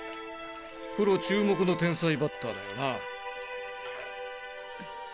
プロ注目の天才バッターだよな。